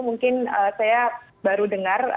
mungkin saya baru dengar